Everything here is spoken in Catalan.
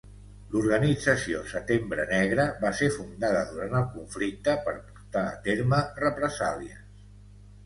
L'organització Setembre Negre va ser fundada durant el conflicte per portar a terme represàlies.